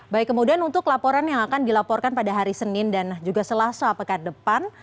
baik kemudian untuk laporan yang akan dilaporkan pada hari senin dan juga selasa pekan depan